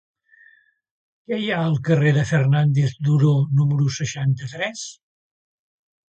Què hi ha al carrer de Fernández Duró número seixanta-tres?